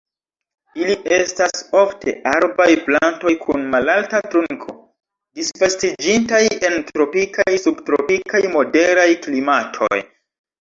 Ili estas ofte arbaj plantoj kun malalta trunko, disvastiĝintaj en tropikaj, subtropikaj, moderaj klimatoj.